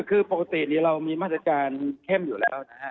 คือปกตินี้เรามีมาตรการเข้มอยู่แล้ว